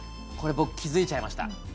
これ僕気付いちゃいました。